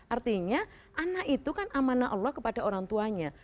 artinya anak itu kan amanah allah kepada orang tuanya